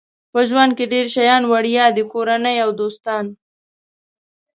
په ژوند کې ډېر شیان وړیا دي کورنۍ او دوستان.